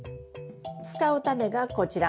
使うタネがこちら。